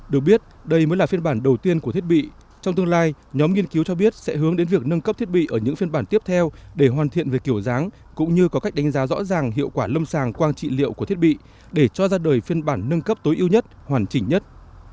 được biết đây mới là phiên bản đầu tiên của thiết bị trong tương lai nhóm nghiên cứu cho biết sẽ hướng đến việc nâng cấp thiết bị ở những phiên bản tiếp theo để hoàn thiện về kiểu dáng cũng như có cách đánh giá rõ ràng hiệu quả lâm sàng quang trị liệu của thiết bị để cho ra đời phiên bản nâng cấp tối ưu nhất hoàn chỉnh nhất